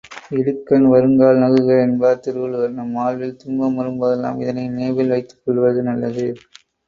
இடுக்கண் வருங்கால் நகுக என்பார் திருவள்ளுவர் நம் வாழ்வில் துன்பம் வரும்போதெல்லாம் இதனை நினைவில் வைத்துக்கொள்வது நல்லது.